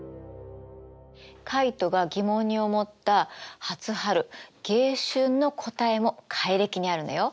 カイトが疑問に思った初春・迎春の答えも改暦にあるのよ。